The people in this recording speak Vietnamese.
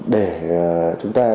để chúng ta